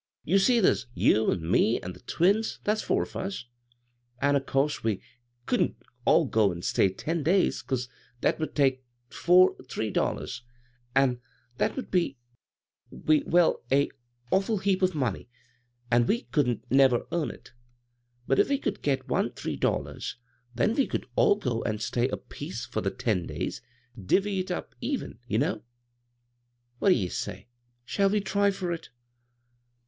You see there's you an' me an' the twins — that's four of us — an' course we couldn't all go an' stay ten days 'cause that would take four three dollars, an' that would be — be — well, a awful heap of money, an' we couldn't never earn it But if we could get one three dollars, then we could all go an' stay a piece of the ten days— divvy it up even, ye know. What d' ye say ? Shall we try for it?"